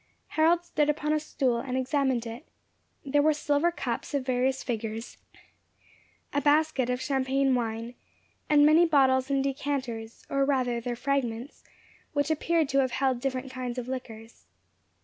Harold stood upon a stool and examined it. There were silver cups, of various figures, a basket of champagne wine, and many bottles and decanters, or rather their fragments, which appeared to have held different kinds of liquors.